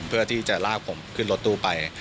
เพื่อที่จะลากผมขึ้นรถตู้ไป